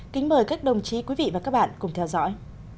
kính mời các đồng chí quý vị và các bạn cùng theo dõi